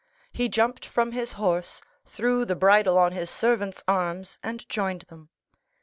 He jumped from his horse, threw the bridle on his servant's arms, and joined them.